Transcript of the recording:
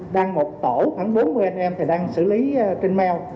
đang một tổ khoảng bốn mươi anh em thì đang xử lý trên mail